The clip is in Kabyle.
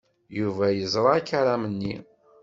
Yuba yeẓra akaram-nni.